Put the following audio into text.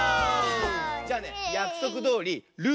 じゃあねやくそくどおり「る」